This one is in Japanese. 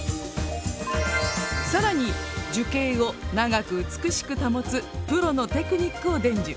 更に樹形を長く美しく保つプロのテクニックを伝授。